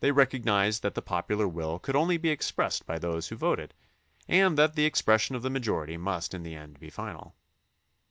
They recognized that the popular will could only be expressed by those who voted and that the expression of the majority must in the end be final.